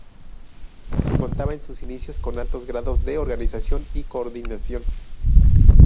Contaba en sus inicios con altos grados de organización y coordinación.